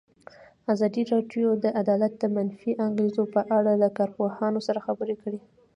ازادي راډیو د عدالت د منفي اغېزو په اړه له کارپوهانو سره خبرې کړي.